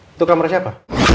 itu kamar siapa